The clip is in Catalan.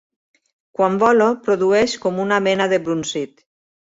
Quan vola produeix com una mena de brunzit.